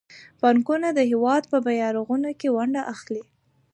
بانکونه د هیواد په بیارغونه کې ونډه اخلي.